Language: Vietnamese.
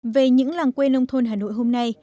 về những làng quê nông thôn hà nội hôm nay